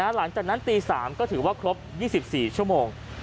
หลังจากนั้นตี๓ก็ถือว่าครบ๒๔ชั่วโมง